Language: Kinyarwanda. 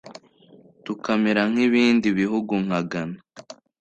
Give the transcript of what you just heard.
tukamera nk’ibindi bihugu nka Ghana